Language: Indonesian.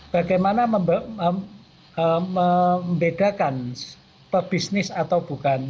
bagaimana membedakan pebisnis atau bukan